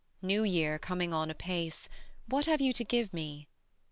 New Year coming on apace What have you to give me?